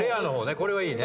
これはいいね。